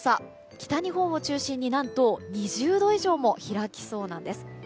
北日本を中心に何と２０度以上も開きそうなんです。